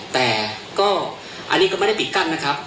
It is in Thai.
แต่ก็อันนี้ก็ไม่ได้ปิดกั้นนะครับ